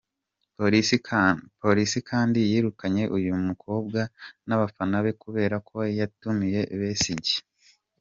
Polisi kandi yirukanye uyu mukobwa n’abafana be kubera ko yatumiye Besigye.